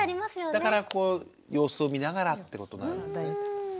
だからこう様子を見ながらってことなんですね。